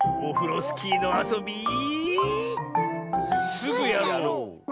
すぐやろう！